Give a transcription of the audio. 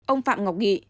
ông phạm ngọc nghị